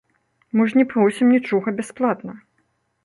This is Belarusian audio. Мы ж не просім нічога бясплатна.